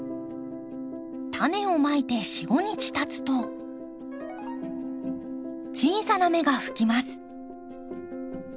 タネをまいて４５日たつと小さな芽が吹きます。